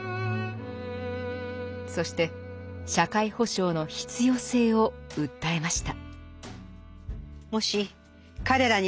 そして社会保障の必要性を訴えました。